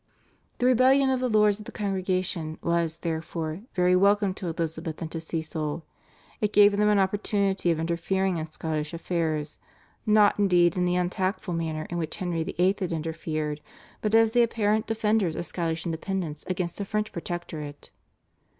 The rebellion of the lords of the Congregation was, therefore, very welcome to Elizabeth and to Cecil. It gave them an opportunity of interfering in Scottish affairs, not, indeed, in the untactful manner in which Henry VIII. had interfered, but as the apparent defenders of Scottish independence against a French protectorate.